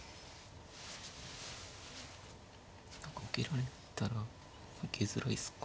何か受けられたら受けづらいですか。